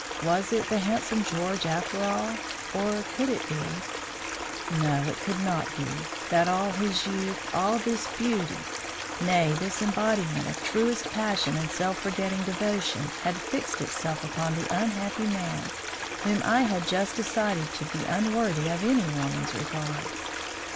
Was it the handsome George, after all, or could it be no, it could not be that all this youth, all this beauty, nay, this embodiment of truest passion and self forgetting devotion, had fixed itself upon the unhappy man whom I had just decided to be unworthy of any woman's regard.